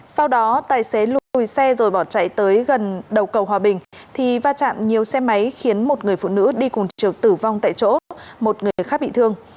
sau đó tài xế lùi xe rồi bỏ chạy tới gần đầu cầu hòa bình thì va chạm nhiều xe máy khiến một người phụ nữ đi cùng chiều tử vong tại chỗ một người khác bị thương